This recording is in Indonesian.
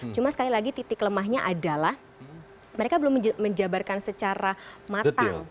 cuma sekali lagi titik lemahnya adalah mereka belum menjabarkan secara matang